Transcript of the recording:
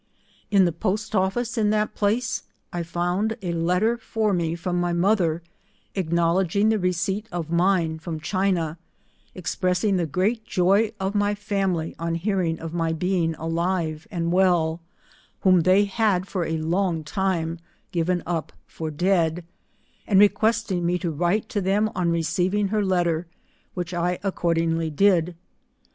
In the Post Office in that place, I found a letter for me from my mother, acknowledging the receipt of mine from China; expressing the great joy of my 203 family on hearing of my being alive and well, whom they had for a long time given up for dead, and requesting me to write to them on receiving her letter, which I accordingly did.